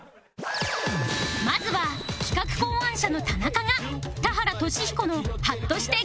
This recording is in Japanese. まずは企画考案者の田中が田原俊彦の『ハッとして！